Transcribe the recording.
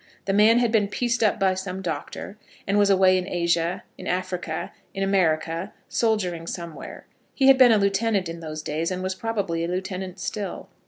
The man had been pieced up by some doctor, and was away in Asia, in Africa, in America soldiering somewhere. He had been a lieutenant in those days, and was probably a lieutenant still.